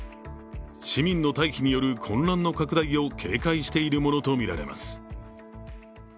市民の退避による混乱の拡大を警戒しているものとみられます。